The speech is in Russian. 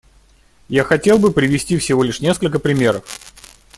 Я хотел бы привести всего лишь несколько примеров.